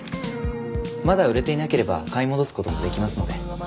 まだ売れていなければ買い戻す事もできますので。